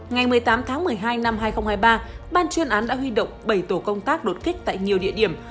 ngày một mươi tám tháng một mươi hai năm hai nghìn hai mươi ba ban chuyên án đã huy động bảy tổ công tác đột kích tại nhiều địa điểm